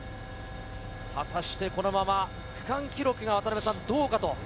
果たしてこのまま区間記録がどうか？